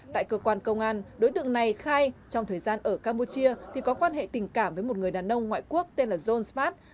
tại cơ quan công an đối tượng này khai trong thời gian ở campuchia thì có quan hệ tình cảm với một người đàn ông ngoại quốc tên là john smart